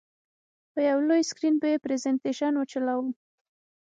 په یو لوی سکرین به یې پرزینټېشن وچلوو.